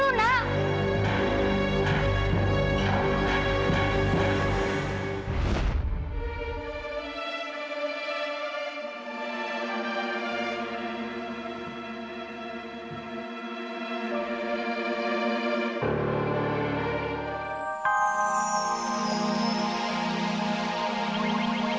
taufan taufan dulu lah